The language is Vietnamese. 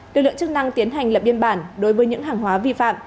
lực lượng chức năng tiến hành lập biên bản đối với những hàng hóa vi phạm